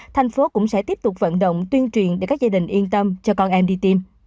thành phố cũng sẽ tiếp tục vận động tuyên truyền để các gia đình yên tâm cho con em đi tìm